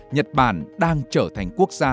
nhật bản đang trở thành quốc gia